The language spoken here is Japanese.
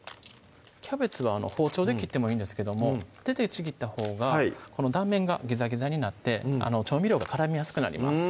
キャベツは包丁で切ってもいいんですけども手でちぎったほうが断面がギザギザになって調味料が絡みやすくなります